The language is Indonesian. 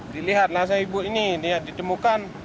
dilihat nasa ibu ini ditemukan